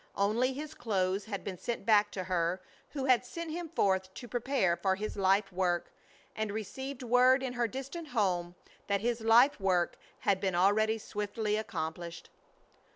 Only his clothes had been sent back to her who had sent him forth to prepare for his life work, and received word in her distant home that his life work had been already swiftly accomplished.